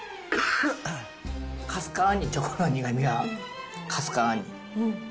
かすかにチョコの苦みが、かすかに。